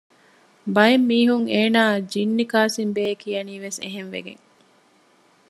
ބައެއް މީހުން އޭނާއަށް ޖިންނި ކާސިމްބެއޭ ކިޔަނީވެސް އެހެންވެގެން